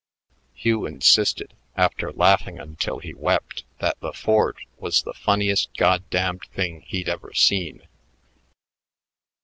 Hugh insisted, after laughing until he wept, that the Ford was the "funniest goddamned thing" he'd ever seen.